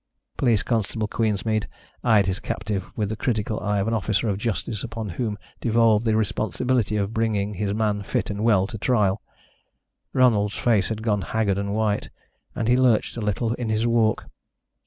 Police Constable Queensmead eyed his captive with the critical eye of an officer of justice upon whom devolved the responsibility of bringing his man fit and well to trial. Ronald's face had gone haggard and white, and he lurched a little in his walk.